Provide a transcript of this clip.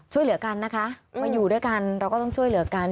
ช่วยเหลือกันนะคะมาอยู่ด้วยกันเราก็ต้องช่วยเหลือกัน